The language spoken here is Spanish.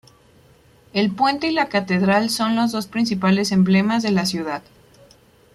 El puente y la catedral son los dos principales emblemas de la ciudad.